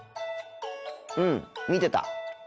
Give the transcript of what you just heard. うん見てた。